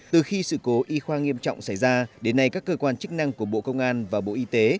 từ khi sự cố y khoa nghiêm trọng xảy ra đến nay các cơ quan chức năng của bộ công an và bộ y tế